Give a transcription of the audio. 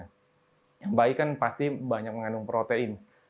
yang baik kan pasti banyak mengandung protein